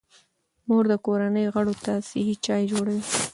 مور د کورنۍ غړو ته صحي چای جوړوي.